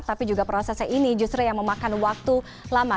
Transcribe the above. tapi juga prosesnya ini justru yang memakan waktu lama